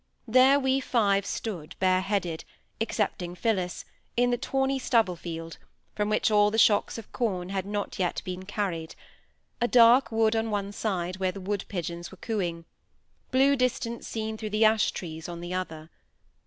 There we five stood, bareheaded, excepting Phillis, in the tawny stubble field, from which all the shocks of corn had not yet been carried—a dark wood on one side, where the woodpigeons were cooing; blue distance seen through the ash trees on the other.